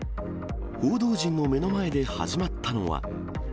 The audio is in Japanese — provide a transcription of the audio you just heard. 報道陣の目の前で始まったのは。